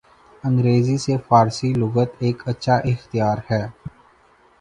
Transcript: انگریزی سے فارسی لغت ایک اچھا اختیار ہے